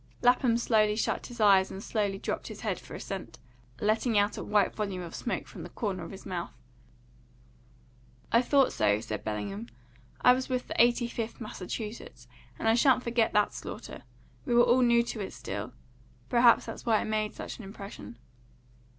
Lapham slowly shut his eyes and slowly dropped his head for assent, letting out a white volume of smoke from the corner of his mouth. "I thought so," said Bellingham. "I was with the 85th Massachusetts, and I sha'n't forget that slaughter. We were all new to it still. Perhaps that's why it made such an impression."